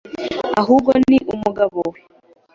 ahubwo ni umugabo we.